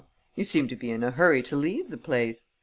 "You seem to be in a hurry to leave the place."